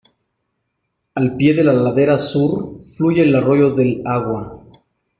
Al pie de la ladera sur fluye el arroyo de El Agua.